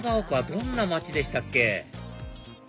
どんな街でしたっけ？